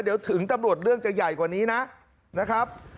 เดี๋ยวถึงตำรวจเรื่องจะใหญ่กว่านี้นะครับ